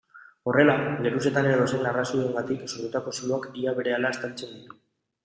Horrela, geruzetan edozein arrazoirengatik sortutako zuloak ia berehala estaltzen ditu.